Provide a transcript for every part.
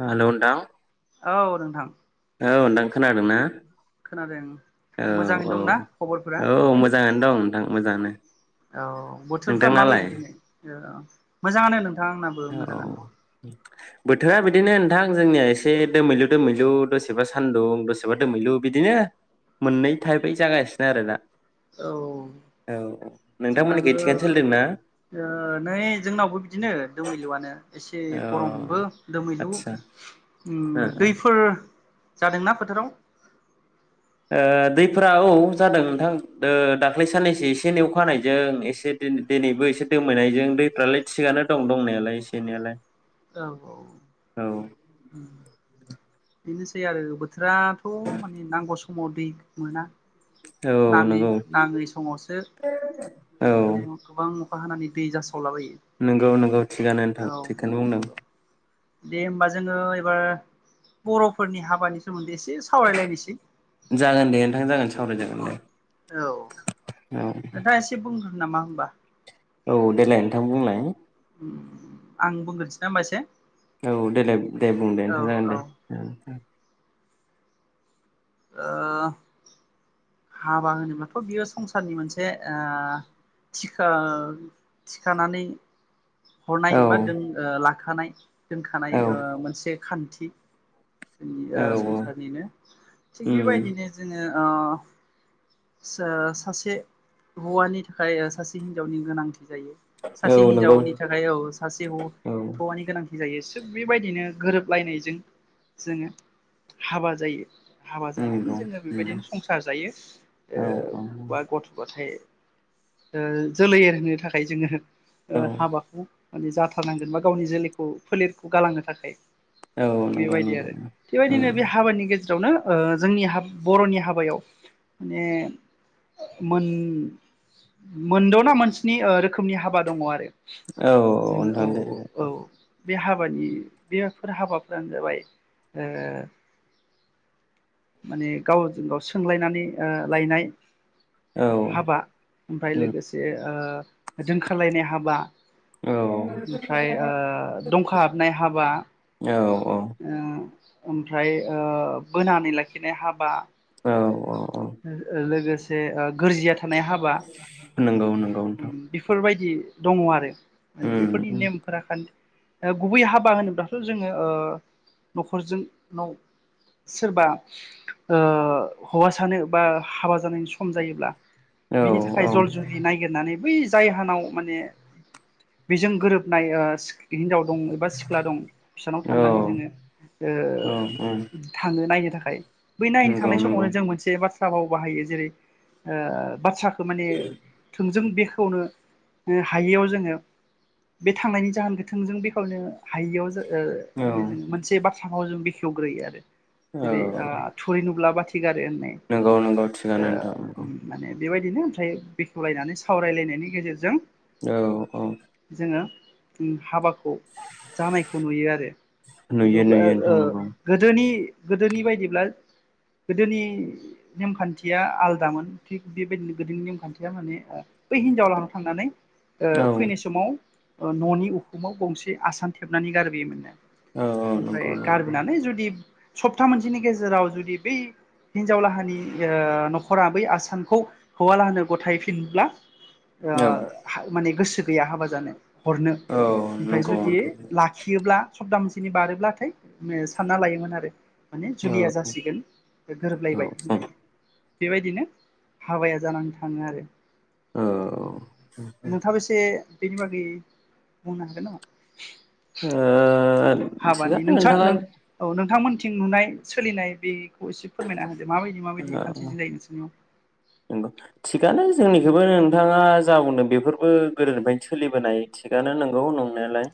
Hello नोंथां? औ नोंथां। औ नोंथां खोनादों ना? खोनादों औ, मोजाङै औ, दंना खबरफोरा औ मोजाङानो दं नोंथां। मोजाङानो। औ बोथोरफ्रा नोंथांनालाय माबायदि दिनै? मोजाङानो नों औ बोथोरा बिदिनो नोंथां जोंनिया एसे दोमैलु दोमैलु दसेबा सान्दुं, दसेबा दोमैलु बिदिनो मोननै थाइपयै जागासिनो आरो दा। औ औ नोंथांमोननिखै जोंनाबो थिगानो सोलिदोंना नै जोंनावबो बिदिनो। दोमैलुआनो। एसे औ गरमबो दोमैलु आदसा ओ ओ दैफोर जादोंना फोथाराव? ओ दैफ्राऔ जादों नोंथांओ दाख्लै साननैसो एसे एनै अखा हानायजों एसे दिनैबो एसे दोमैनायजों दैफ्रालाय थिगानो दं दंनायालाय एसे एनैलाय। औ औ। बेनोसै आरो बोथोराथ' माने नांगौ समाव दै मोना। औ नाङै नंगौ नाङै समावसो माने गोबां। अखा हानानानै दै जसि नोंगौ नोंगौ थिगानो नोंथां थिगखोनो। बि [unintelligible] दे होमबा जोङो एबार बर'फोरनि हाबानि सोमोन्दै एसे। सावरायलायनोसै जागोन दे नोंथां जागोन। सावराय जागोन दे। औ औ नोंथा एसे बुंख नामा होमबा औ देलाय नोंथां बुंलाय आं बुंग्रोनसै ना होमबा इसे औ देलाय दे बुं दे नोंथां जागोन औ ओ दे ओ हाबा होनोब्लाथ' बियो संसारनि मोनसे ओ थिखा थिखानानै औ हरनाय बा दोन ओ ला थानाय दोनखानाय औ ओ मोनसे खान्थि जोंनि आ औ संसारनिनो थिग उम बेबायदिनो जोङो ओ स सासे हौवानि थाखाय सासे हिनजावनि गोनांथि जायो औ सासे नंगौ हिनजावनि थाखाय औ सासे औ हौवानि गोनांथि जायो थिग बेबायदिनो गोरोबलायनायजों जोङो हाबा जायो हाबा जानानै नंगौ जोङो नंगौ बेबायदिनो संसार जायो ए औ बा गथ'फोर थाय ओ जोलै एरहो थाखाय जोङो औ ओ हाबाखौ माने जाथारनांगोन बा गावनि जोलैखौ फोलेरखौ गालांनो थाखाय नंगौ नंगौ बेबायदि आरो बेबायदिनो बे हाबानि गेजेरजों गौ ना ओ जोंनि हाब बर'नि हाबायाव माने मोन मोनद'ना मोनसनि रोखोमनि हाबा दङ आरो औ जोङो औ नोंथां दे औ बे हाबानि बेफोर हाबाफोरानो जाबाय [inaudible] माने गावजों गाव सोंलायनानै औ हाबा ओमफ्राय उम ओ दोंनखारलायनाय हाबा औ ओमफ्राय दंखा हाबनाय हाबा औ [inaudible] ओमफ्राय बोनानै लाखि लाखिनाइ हाबा औ औ औ लोगोसे गोरजिया थ थानाय हाबा नंगौ नंगौ नोंथां बेफोरबायदि बि दङ आरो माने उम बेफोरनि उम नेमफोरा खा गुबै हाबा होनोब्लाथ' जोङो न'खरजों सोरबा औ हौवासा बा हाबा जानायनि सम जायोबा औ बिनि थाखाय जल जुलि नायागिरनानै बै जायाहानाव माने बेजों गोरोबनाय हिनजाव दं एबा सिख्ला दं बिसानाव औ थांनानै जोङो ओ थां नायनोथाखाय थाखाय [inaudible] नोंंगौ थांनाय नोंगै समावनो जों मोनसे बाथ्रा भाव बाहायो जेरै बाथ्रा माने थोंजों बे बेखावनो हायैयाव जोङो बे थांनायनि जाहोन गोथोंजों बेखेवनो हायैयाव औ माने जों मोनसे बाथ्रा सामाव जों बेखेवग्रोयो आरो जेरै औ थुरि नुबा बाथि गारो होननाय नोंगौ नोंगौ थिगानो नोंथां माने बेबायदिनो ओमफ्राय बेखेवलायनानै सावरायलायनायनि गेजेरजों औ औ हाबा जानायखौ नुयो आरो खिन्थु नुयो नुयो नोंथां नंगौ गोदोनि गोदोनि बायदिब्ला गोदोनि नेमखान्थिया आलदामोन थिग बेबायदि गोदोनि नेम खानथिया बै हेनजाव लाना थांनानै औ फैनाय समाव न'नि उखु गंसे आसान थेबना गारबोयोमोन नो औ ओमफ्राय नंगौ नंगौ गारबोनानै जुदि सप्ता मोनसेनि गेजेराव जुदि बै हिनजाव लाहानि ओ न'खरा बै आसामखौ हौवालाहानो गथायफिनब्ला ओ औ हायो माने गोसो गैया हाबा जानो हरनो औ ओमफ्राय नंगौ जुदि नोंथां लाखियोब्ला सब्ताह मोनसेनि बारोब्लाथाय सानना लायोमोन आरो माने औ जुलिया जासिगोन औ गोरोबलायबाय औ होननानै बेबायदिनो हाबाया जानानै थाङो आरो औ [inaudible] नोंथाबो एसे बेनि बागै बुंनो हागोन नामा ओ हाबानि थिगानो नोंसोंसा नोंथाङा नों औ नों नोंथांमोनथिं नुनाय सोलिनाय बेखौ एसे फोरमायना होनो [unintelligible] औ नोंगौ थिखानो जोंनिखौबो नोंथाङा जा बुंदों बेफोरबो गोदोनिफ्रायनो सोलिबोनाय थिगानो नोंगौ नंनायालाय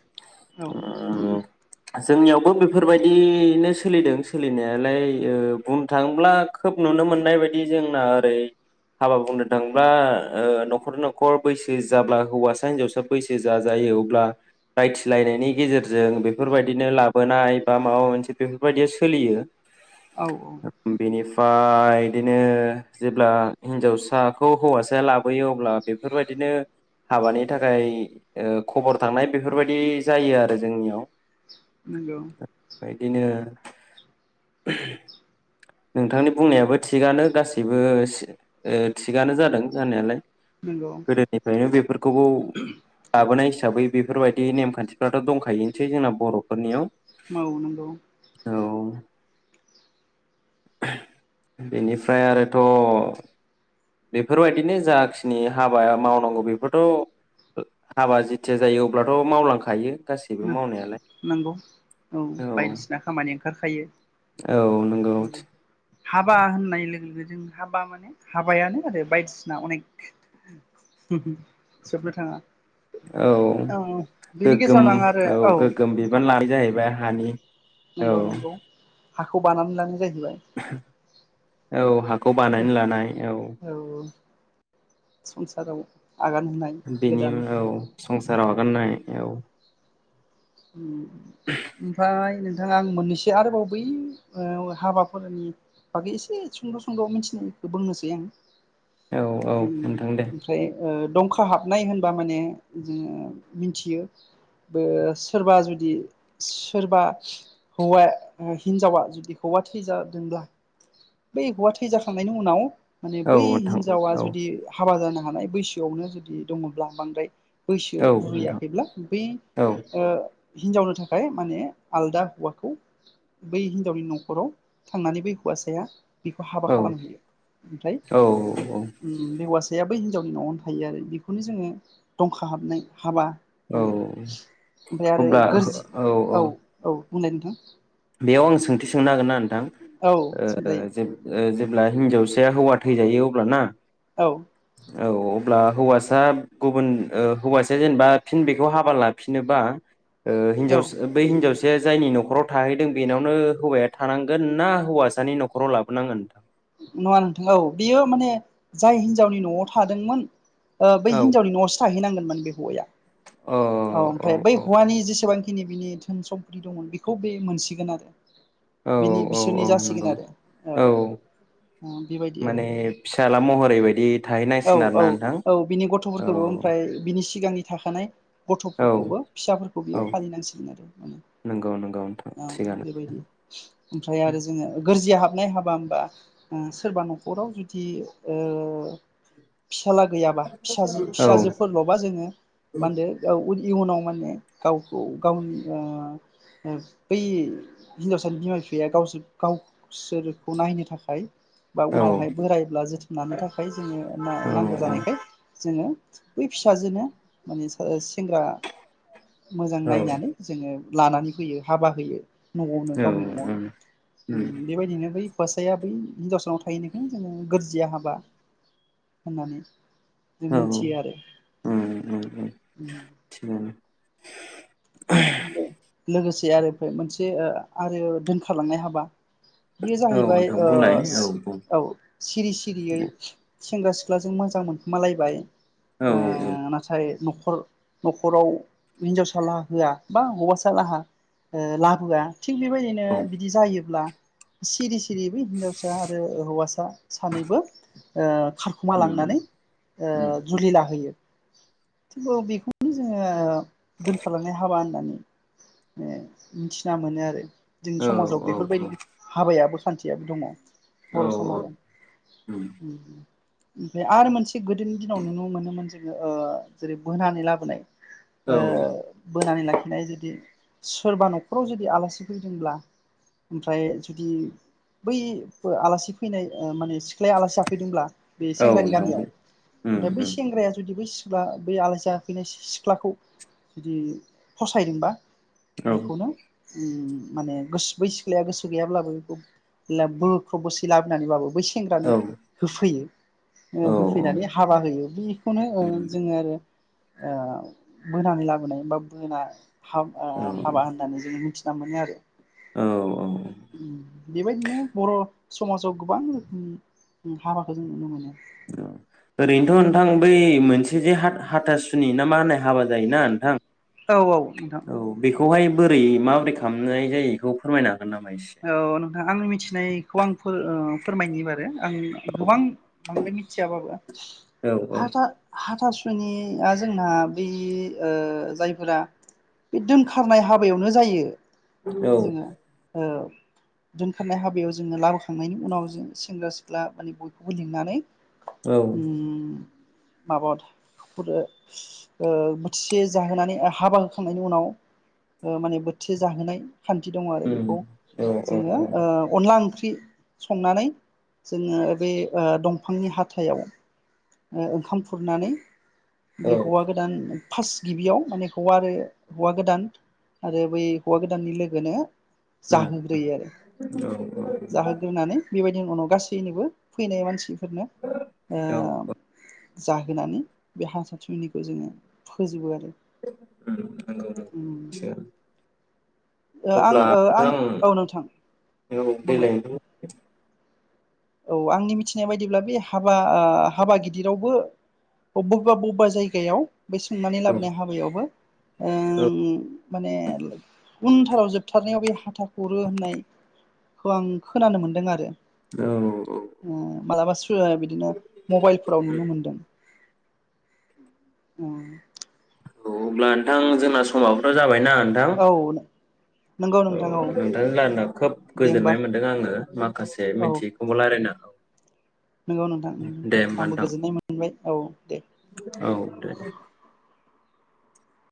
नोंसोरनियाव ओ जोंनियावबो बेफोरबायदिनो सोलिदों सोलिनायालाय बुंनो थांङोब्ला खोब नुनो मोननाय बायदि जोंना ओरै हाबा बुंनो थांब्ला ओ न'खर न'खर बैसो जाब्ला हौवासा हिनजावसा बैसो जाजायो अब्ला रायथिलायनायनि गेजेरजों बेफोरबायदिनो लाबोनाय बा माबा मोनसे बेफोरबायदिया सोलियो औ बिनि फाय बिदिनो जेब्ला हिनजावसाखौ हौवासाया लाबोयो अब्ला बेफोरबायदिनो हाबानि थाखाय ओ खबर थांनाय बेफोरबायदि जायो आरो जोंनियाव नोंगौ बिदिनो नोंथांनि बुंनायाबो थिगानो गासैबो थिगानो जादों जानायालाय नंगौ गोदोनिफ्रायनो बेफोरखौबो लाबोनाय दा बै बेफोरबायदि नेमखान्थिफ्राथ' दंखायोनोसै जोंना बर'फोरनियाव मावो नोंगौ [unintelligible] बेनिफ्राय आरोथ' बेफोरबायदिनो जाखिनि हाबाया मावनांगौ बेफोरथ' हाबा जेथिया जायो अब्लाथ' मावलांखायो गासैबो मावनायालाय नंगौ औ बायदिसिना खामानि ओंखारखायो औ नंगौ उम हाबा होननाय लोगो लोगो जों हाबा माने हाबायानो आरो बायदिसिना अनेक जोबनो थांङा औ गोग्गो ओम गोगोम गेजेरावनो आं आरो औ गोगोम नोंथां बिबान लानाय जाहैबाय हानि औ नंगौ नंगौ हाखौ बानानै लानाय जायो औ हाखौ बानायनानै लानाय औ संसाराव आगान होनाय बेनि गोदान उनाव संसाराव होनाय औ ओमफ्राय नों बिथाङा आं मोननैसो आरोबाव बै ओ हाबाफोरनि बागै एसे सुंद' सुंद' मिथिनायखौ बुंनोसै आं औ औ नोंथां दे ओमफ्राय ओ दं खाफोहाबनाय होनबा माने जोङो मिथियो बे सोरबा जुदि सोरबा हौवाया हिनजावा जुदि हौवा थैजादोंब्ला बै हौवा थैजाखांनायनि उनाव माने औ बै नोंथां हिन्जावा औ जुदि हाबा जाना हानाय बैसोआवनो जुदि दङब्ला बांद्राय बैसो औ नोंथां बुरैयाखैब्ला बै औ ओ हिनजावनो थाखाय माने आलदा हौवाखौ बै हिनजावनि न'खराव थांनानै बै हौवासाया बेखौ हाबा औ खालामहैयो ओमफ्राय औ बै हौवास साया बै हिनजावनि न'आवनो थायो आरो बेखौनो जोङो दंखा हाबनाय हाबा औ होनो ओमफ्राय आरो अब्ला गोरजि औ औ बुंलाय नोंथां बेयाव आं सोंथि सोंनो हागोनना नों औ सोंजायो ओ जेब्ला हिन्जावसाया हौवा थैजायो अब्लाना औ औ अब्ला हौवासा गुबुन ओ हौवासा जेनेबा फिन बेखौ हाबा लाफिनोबा ओ औ हिन्जाव बै हिन्जावसा साया जायनि न'खराव थाहैदों बेनावनो हौवाया थानांगोन ना हौवासानि न'खराव लाबोनांगोन नङा नोंथां औ बेयो माने जाय हिनजावनि न'आव थादोंमोन ओ औ हिनजावनि न'सो थाहैनांगोन माने बे हौवाया औ ओमफ्राय बै औ हौवानि जेसेबां खिनि बिनि धोन सम्फथि दंमोन बेखौ बे मोनसिगोन आरो औ बिनि औ औ बिसोरनि जासिगोन नंगौ आरो औ औ बेबायदि आरो माने फिसाज्ला महरैबायदि औ थाहैनांसिगोन औ आरोना नोंथां औ नि सिगांनि थाखानाय औ गथ'फोरखौबो फिसाफोरखौ बियो औ फालिनांसिगोन आरो माने नंगौ नंगौ नोंथां औ थिगानो बेबायदि ओमफ्राय आरो जोङो गोरजिया हाबनाय हाबा होमबा सोरबा न'खराव जुदि ओ फिसााज्ला गैयाबा फिसाजो औ फिसाजोफोरल'बा जोङो मा होनदो औ इयुनाव माने गावखौ गावनि बै हिनजावसानि बिमा बिफाया गावसोर गावसोरखौ नायनो थाखाय बा औ उनावहाय बोरायोब्ला जोथोननि थाखाय जोङो औ नांगौ जानायखाय जोङो बै फिसाजोनो माने सेंग्रा मोजां औ नायनानै जोङो लानानै फैयो हाबा होयो। न'आवनो औ गावनि न'आवनो बेबायदिनो बै हुवासाया बै हिनजावसानाव थाहैनायखोनो जोङो गोरजिया हाबा होननानै जों औ मिथियो उम उम उम [unintelligible] [unintelligible] लोगोसे आरो मोनसे आरो दोनखारलांनाय हाबा बेयो औ जाहैबाय नोंथां बुंलाय बुं औ सिरि सिरियै सेंग्रा सिख्लाजों मोजां मोनखोमालायबाय औ ओ नाथाय न'खर न'खराव हिन्जावसालाहा होआ बा हौवासालाहा लाबोआ थिग बेबायदिनो औ बिदि जायोब्ला सिरि सिरिबो हिनजावसा आरो हौवासा सानैबो ओ खारखुमा उम लांनानै उम जुलि लाहैयो। थिग बेखौनो जोङो दोन हाबा होननानै मिथिना मोनो आरो जोंनि औ समाजाव औ बेफोरबायदि हाबायाबो खान्थियाबो दङ। औ बर' औ समाजाव उम उम-उम ओमफ्राय आरो मोनसे गोदोनि दिनाव नुनो मोनोमोन जोङो ओ जेरै बोनानै लाबोनाय औ ओ बोनानै लाखिनाय जुदि सोरबा न'खराव जुदि आलासि फैदोंब्ला ओमफ्राय जुदि बै आलासि फैनाय ओ माने सिख्लाया आलासि जाफैदोंब्ला बे औ सेंग्रानि नोंथां गामियाव बुं उम ओमफ्राय बै उम सेंग्राया जुदि बै सि सिख्ला बै आलासि जाफैनाय सिख्लाखौ जुदि फसायदोंबा औ बिखौनो उम माने गोस बै सिख्लाया गोसो गैयाब्लाबो बेखौ बख्रब बोसि लाबोनानैबाबो बै औ सेंग्रानो होफैयो ओ औ होफैनानै हाबा होयो बेखौनो ओ उम जोङो आरो ओ बोनानै लाबोनाय होनबा बोना हाब ओ औ हाबा होननानै जोङो मिथि ना मोनो आरो औ-औ बेबायदिनो बर' समाजाव गोबां रोखोमनि हाबाखौ जों नुनो मोनो ओरैनोथ' नोंथां बै मोनसे जे हाथासुनि ना मा होननाय हाबा जायोना नोंथां औ-औ नोंथां औ बेखौहाय बोरै माबोरै खालामनाय जायो बेखौ फोरमायना औ नोंथां आंनि मिथिनायखौ आं फो ओ फोरमायनि [unintelligible] आं औ गोबां बांद्राय मिथियाबाबो औ हाथा-हाथा सु निया जोंना बै ओ जायफोरा बे दोनखारनाय हाबायावनो जायो। औ जोङो ओ दोनखारनाय हाबायाव जोङो लाबोखांनायनि उनाव जों सेंग्रा सिख्ला माने बयखौबो लिंनानै उम माबा ओ बोथिसे जाहोनानै हाबा होखांनायनि उनाव माने बोथिसे जाहोनाय खान्थि दङ आरो उम बेखौ औ औ जोङो ओ अनला ला ओंख्रि संनानै जोङो बे दंफांनि हाथायाव ओंखाम खुरनानै बे औ हौवा गोदान फार्स्ट गिबियाव माने हौवा आरो हौवा गोदान आरो बै हौवा गोदाननि लोगोनो उम जाहोग्रोयो आरो औ जाहोग्रोनानै बेबायदि बेनि उनाव गासैनिबो फैनाय मानसि फोरनो ओ औ औ जाहोनानै बे हासा थुनिखौ जोङो फोजोबो आरो। नंगौ उम ओ आं अब्ला आं नोंथां औ नोंथां बुंलाय [unintelligible] औ आंनि मिथिनाय बायदिब्ला बे हाबा हाबा गिदिरावबो बबेबा बबेबा जायगायाव बे सोंनानै औ लाबोनाय हाबायावबो ओ औ माने उनथाराव जोबथारनायाव बे हाथा खुरो होननायखौ आं खोनानो मोनदों आरो। ओ ओ औ औ। मालाबा [unintelligible] बिदिनो मबाइलफोराव नुनो मोनदों। ओम औ अब्ला नोंथां जोंना समाबोथ' जाबाय दा नोंथां? औ नंगौ औ नोंथां नोंथांजों रायलायना खोब दे होमबा गोजोननाय मोनदों आङो माखासे औ मिथियैखौबो रायज्लायना नंगौ नोंथां ओं होमबा आंबो नोंथां गोजोननाय मोनबाय औ दे। औ दे।